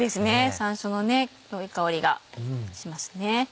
山椒のよい香りがしますね。